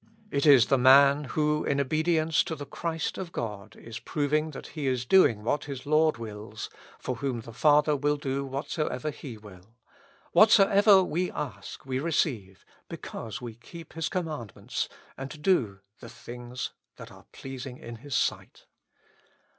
It is the man who, in obedience to the Christ of God, is proving that he is doing what his Lord wills, for whom the Father will do whatsoever he will :" Whatsoever we ask we re ceive, because we keep His commandments, and do the things that are pleasing in His sight."